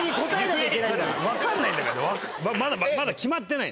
分かんないんだからまだ決まってない。